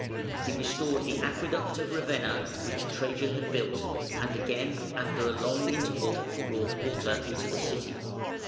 He restored the aqueduct of Ravenna, which Trajan had built; and again, after a long interval, brought water into the city.